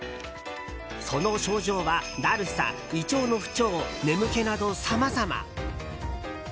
その症状は、だるさ胃腸の不調、眠気などさまざま。